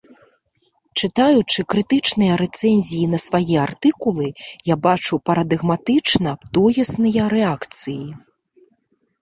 Чытаючы крытычныя рэцэнзіі на свае артыкулы, я бачу парадыгматычна тоесныя рэакцыі.